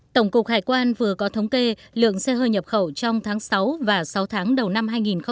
tổng cục hải quan vừa có thống kê lượng xe hơi nhập khẩu trong tháng sáu và sáu tháng đầu năm hai nghìn hai mươi